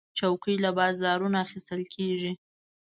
چوکۍ له بازارونو اخیستل کېږي.